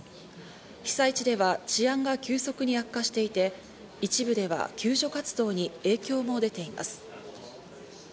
被災地では治安が急速に悪化していて、一部では救助活動に影響も出ています。